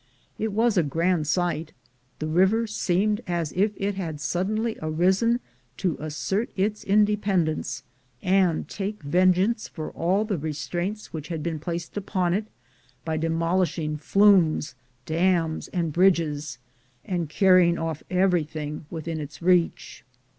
It was a grand sight; the river seemed as if it had suddenly arisen to assert its independence, and take vengeance for all the restraints which had been placed upon it, by demolishing flumes, dams, and bridges, and carrying off everything within its reach.